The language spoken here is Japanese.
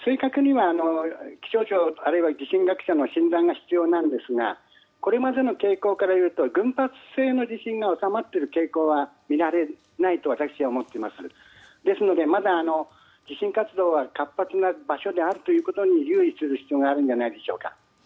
正確には診断が必要になるんですがこれまでの傾向からいうと群発性の地震が収まっていく傾向は見られないと私は思っていますのでまだ地震活動が活発な場所であることに留意する必要があるんじゃないでしょうか。